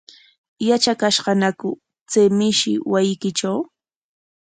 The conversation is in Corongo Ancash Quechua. ¿Yatrakashqañaku chay mishi wasiykitraw?